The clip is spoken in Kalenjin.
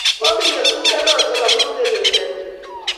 Kopit nyasutyonotok amun ingeleldo nyi.